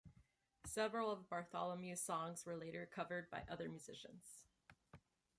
Several of Bartholomew's songs were later covered by other musicians.